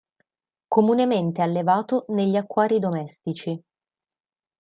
Comunemente allevato negli acquari domestici.